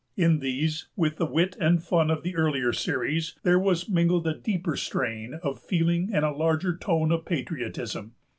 In these, with the wit and fun of the earlier series, there was mingled a deeper strain of feeling and a larger tone of patriotism.